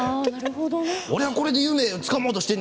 俺はこれで夢をつかもうとしてね